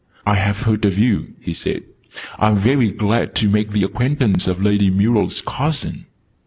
"I have heard of you," he said. "I'm very glad to make the acquaintance of Lady Muriel's cousin."